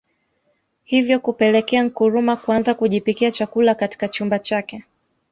Hivyo kupelekea Nkrumah kuanza kujipikia chakula katika chumba chake